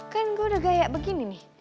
kan gue udah kayak begini nih